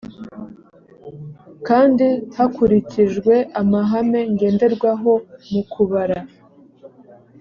kandi hakurikijwe amahame ngenderwaho mu kubara